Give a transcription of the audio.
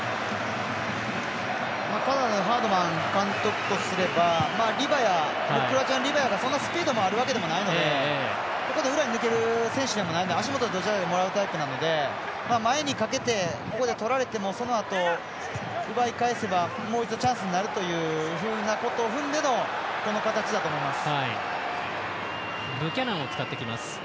カナダハードマン監督とすればクロアチアのリバヤがそんなにスピードがあるわけでもないのでここで裏に抜ける選手でもないので足元、どちらかというともらうタイプなので前にかけて、そこでとられてもそのあと、奪い返せばもう一度チャンスになるというようなことを踏んでの、この形だと思います。